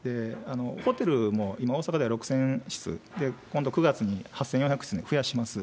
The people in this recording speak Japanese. ホテルも今、大阪では６０００室、今度９月に８４００室に増やします。